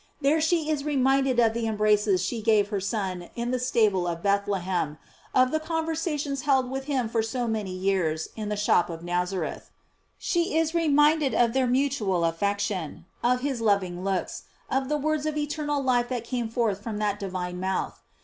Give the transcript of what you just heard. There she is reminded of the embraces she gave her Son in the stable of Bethlehem, of the conver sations held with him for so many years in the shop of Nazareth: she is reminded of their mutual af fection, of his loving looks, of the words of eternal life that came forth from that divine mouth.